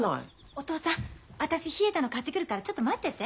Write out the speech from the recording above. お父さん私冷えたの買ってくるからちょっと待ってて。